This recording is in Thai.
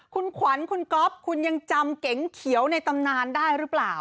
คุณขวัญคุณก๊อฟคุณยังจำเก๋งเขียวในตำนานได้หรือเปล่า